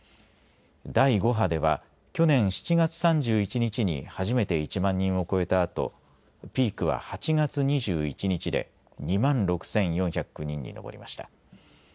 第５波では去年７月３１日に初めて１万人を超えたあとピークは８月２１日で２万６４０９人に上りました。